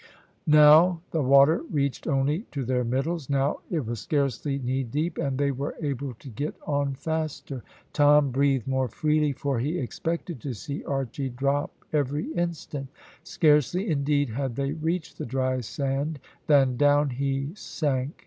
Now the water reached only to their middles; now it was scarcely knee deep, and they were able to get on faster. Tom breathed more freely, for he expected to see Archy drop every instant. Scarcely, indeed, had they reached the dry sand than down he sank.